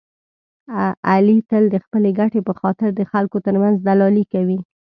علي تل د خپلې ګټې په خاطر د خلکو ترمنځ دلالي کوي.